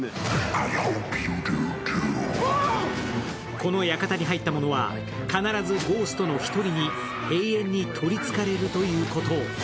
この館に入ったものは必ずゴーストの１人に永遠にとりつかれるということ。